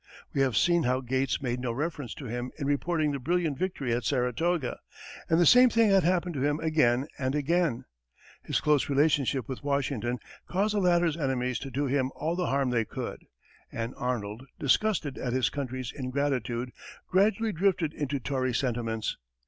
We have seen how Gates made no reference to him in reporting the brilliant victory at Saratoga; and the same thing had happened to him again and again. His close friendship with Washington caused the latter's enemies to do him all the harm they could, and Arnold, disgusted at his country's ingratitude, gradually drifted into Tory sentiments.